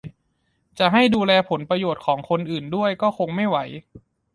จะให้ดูแลผลประโยชน์ของคนอื่นด้วยก็คงไม่ไหว